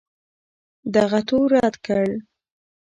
دغه تور رد کړ